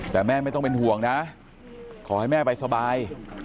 แต่แม่ไม่ต้องเป็นห่วงนะขอให้แม่ไปสบาย